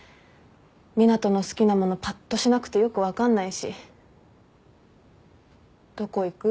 湊斗の好きなものぱっとしなくてよく分かんないしどこ行く？